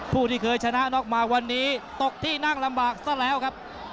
ผู้ที่เคยชนะน็อกมาวันนี้ตกที่นั่งลำบากซะแล้วครับ